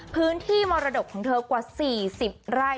พื้นที่มรดกของเธอกว่า๔๐ไร่